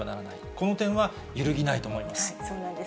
この点はゆるぎないと思います。